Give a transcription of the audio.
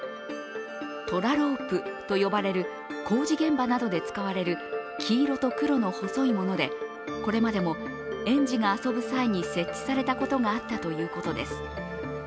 トラロープと呼ばれる工事現場などで使われる黄色と黒の細いもので、これまでも園児が遊ぶ際に設置されたことがあったということです。